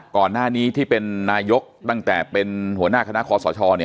ก่อนหน้านี้ที่เป็นนายกตั้งแต่เป็นหัวหน้าคณะคอสช